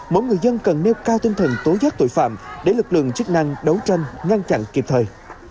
mỗi người dân cần nêu cao tinh thần tối giác tội phạm để lực lượng chức năng đấu tranh ngăn chặn kịp thời